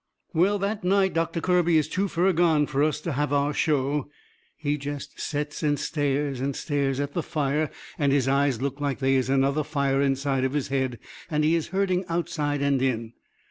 Well, that night Doctor Kirby is too fur gone fur us to have our show. He jest sets and stares and stares at the fire, and his eyes looks like they is another fire inside of his head, and he is hurting outside and in.